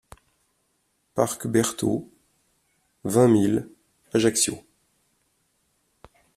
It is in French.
Parc Berthault, vingt mille Ajaccio